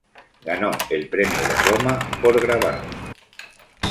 Ganó el Premio de Roma por grabado.